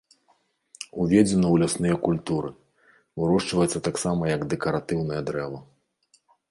Уведзена ў лясныя культуры, вырошчваецца таксама як дэкаратыўнае дрэва.